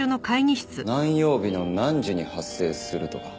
何曜日の何時に発生するとか。